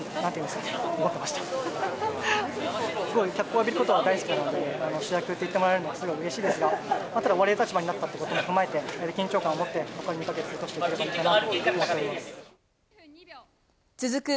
すごい脚光を浴びることは大好きなので、主役と言ってもらえるのはすごいうれしいですが、ただ、追われる立場になったということも踏まえて、緊張感を持って残り２か月を過ごしていけたらいいかなと思ってい続く